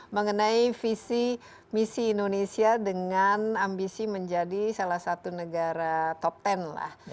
mengenai visi misi indonesia dengan ambisi menjadi salah satu negara top ten lah